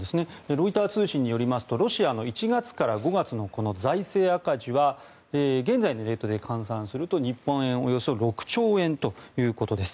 ロイター通信によりますとロシアの１月から５月の財政赤字は現在のレートで換算すると日本円でおよそ６兆円ということです。